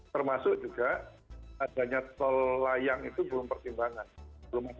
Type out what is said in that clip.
termasuk juga adanya tol layang itu belum pertimbangan belum masuk pada saat itu